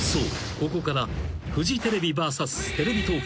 ここからフジテレビＶＳテレビ東京］